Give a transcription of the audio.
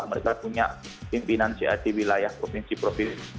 mereka punya pimpinan cat wilayah provinsi provinsi